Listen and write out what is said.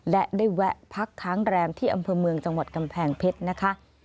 และได้แวะพักค้างแรมที่อำเภอเมืองจังหวัดกำแพงเพชรนะคะ